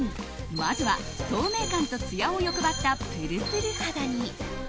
まずは、透明感とツヤを欲張ったプルプル肌に。